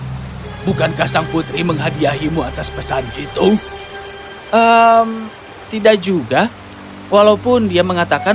bukankah sang putri menghadiahimu atas pesan itu tidak juga walaupun dia mengatakan